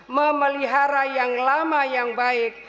memelihara yang lama yang baik